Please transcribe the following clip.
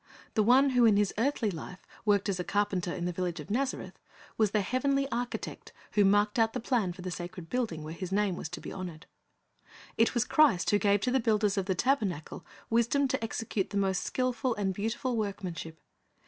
The One who in His earthly life worked as a carpenter in the village of Nazareth was the heavenly architect who marked out the plan for the sacred building where His name was to be honored. It was Christ who gave to the builders of the tabernacle wisdom to execute the most skilful and beautiful work manship.